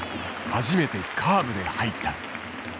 初めてカーブで入った。